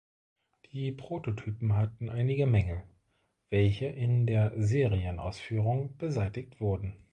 Die Prototypen hatten einige Mängel, welche in der Serienausführung beseitigt wurden.